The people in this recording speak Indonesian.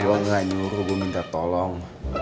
gua gak nyuruh gua minta tolong